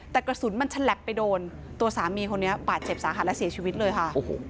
แต่กระสุนมันฉลับไปโดนตัวสามีคนนี้บาดเจ็บสาหัสและเสียชีวิตเลยค่ะ